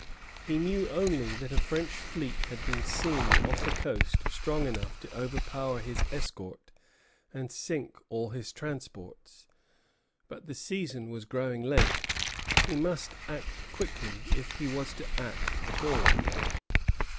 He knew only that a French fleet had been seen off the coast strong enough to overpower his escort and sink all his transports. But the season was growing late; he must act quickly if he was to act at all.